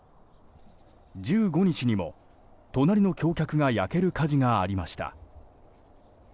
１５日にも隣の橋脚が焼ける火事がありました。